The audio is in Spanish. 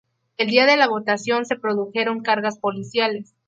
El día de la votación se produjeron cargas policiales.